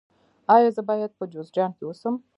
ایا زه باید په جوزجان کې اوسم؟